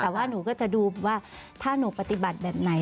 แต่ว่าหนูก็จะดูว่าถ้าหนูปฏิบัติแบบไหน